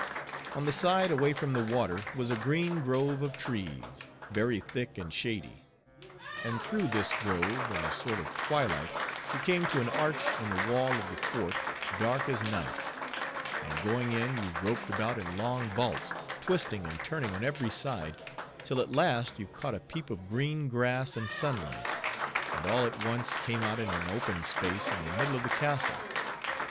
On the side away from the water was a green grove of trees, very thick and shady; and through this grove, in a sort of twilight you came to an arch in the wall of the fort, dark as night; and going in, you groped about in long vaults, twisting and turning on every side, till at last you caught a peep of green grass and sunlight, and all at once came out in an open space in the middle of the castle.